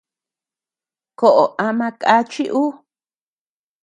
Koʼó ama kàchi uu.